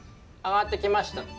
上がってきました。